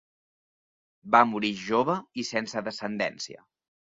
Va morir jove i sense descendència.